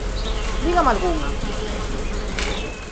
Dígame algunha.